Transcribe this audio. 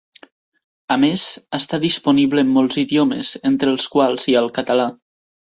A més, està disponible en molts idiomes, entre els quals hi ha el català.